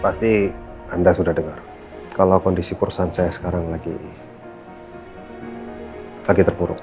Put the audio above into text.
pasti anda sudah dengar kalau kondisi perusahaan saya sekarang lagi lagi terpuruk